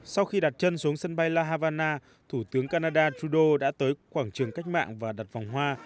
sau khi đặt chân xuống sân bay la havana thủ tướng canada trudeau đã tới quảng trường cách mạng và đặt vòng hoa